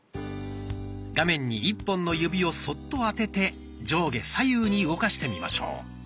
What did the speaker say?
画面に１本の指をそっと当てて上下左右に動かしてみましょう。